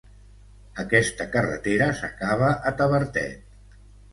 Aquesta carretera s'acaba a Tavertet.